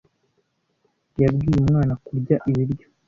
Yabwiye umwana kurya ibiryo.